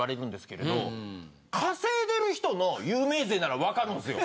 稼いでる人の有名税ならわかるんすよ。